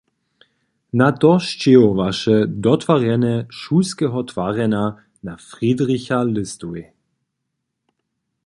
Na to sčehowaše dotwarjenje šulskeho twarjenja na Friedricha-Listowej.